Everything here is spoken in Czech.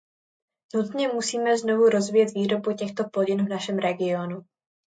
Nutně musíme znovu rozvíjet výrobu těchto plodin v našem regionu.